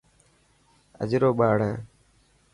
اجرو ٻاڙ هي.